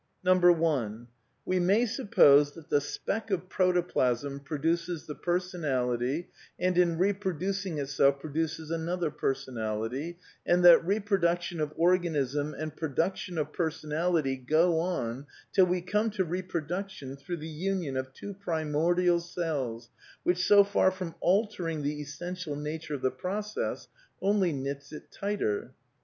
1. We may suppose that the speck of protoplasm pro duces the personality, and in reproducing itself produces another personality; and that reproduction of organism and production of personality go on till we come to repro duction through the union of two primordial cells, which so far from altering the essential nature of the process only knits it tighter.